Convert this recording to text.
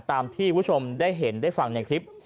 ตามที่คุณผู้ชมได้เห็นได้ฟังในคลิป